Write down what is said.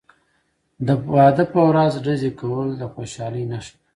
د واده په ورځ ډزې کول د خوشحالۍ نښه ده.